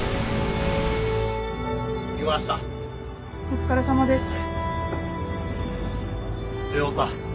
お疲れさまです。